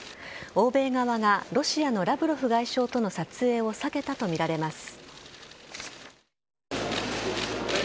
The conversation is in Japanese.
欧米側がロシアのラブロフ外相との撮影を避けたとみられます。